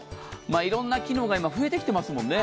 いろんな機能が増えてきてますもんね。